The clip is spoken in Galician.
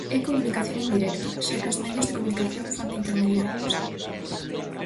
É comunicación indirecta, xa que os medios de comunicación fan de intermediarios.